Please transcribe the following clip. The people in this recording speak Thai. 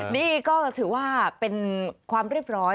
นี่ก็ถือว่าเป็นความเรียบร้อย